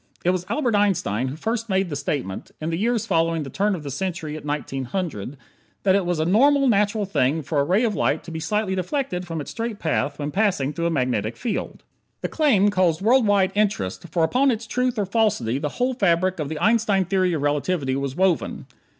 It was Albert Einstein who first made the statement in the years following the turn of the century at 1900 that it was a normal, natural thing for a ray of light to be slightly deflected from its straight path when passing through a magnetic field. The claim caused world wide interest, for upon its truth or falsity the whole fabric of the Einstein Theory of Relativity was woven.